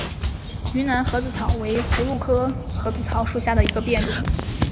云南盒子草为葫芦科盒子草属下的一个变种。